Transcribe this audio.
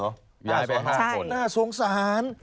ย้ายไป๕คนน่าทรงสาร